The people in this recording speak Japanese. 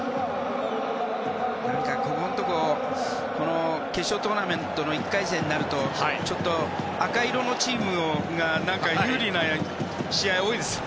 ここのところ決勝トーナメントの１回戦になるとちょっと赤い色のチームが有利な試合が多いですね。